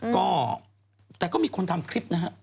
ก็แต่ก็มีคนทำคลิปนะฮะ